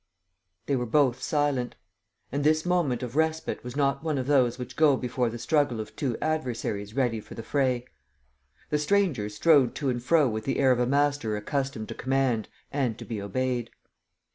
They were both silent; and this moment of respite was not one of those which go before the struggle of two adversaries ready for the fray. The stranger strode to and fro with the air of a master accustomed to command and to be obeyed.